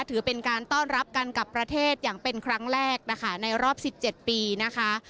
ถือเป็นการต้อนรับกันกับประเทศอย่างเป็นครั้งแรกนะคะในรอบ๑๗ปีนะคะ